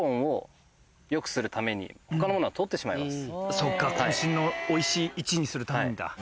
そうか渾身のおいしい１にするためにだ。